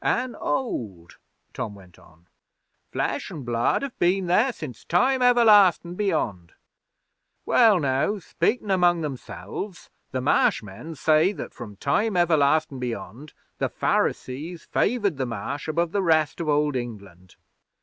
'An' old,' Tom went on. 'Flesh an' Blood have been there since Time Everlastin' Beyond. Well, now, speakin' among themselves, the Marsh men say that from Time Everlastin' Beyond, the Pharisees favoured the Marsh above the rest of Old England.